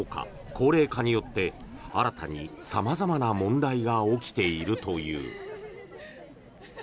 高齢化によって新たに様々な問題が起きているという。